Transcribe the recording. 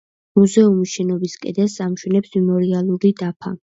მუზეუმის შენობის კედელს ამშვენებს მემორიალური დაფა.